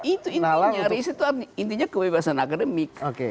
itu intinya riset itu intinya kebebasan akademik